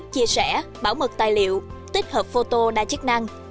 chia sẻ bảo mật tài liệu tích hợp photo đa chức năng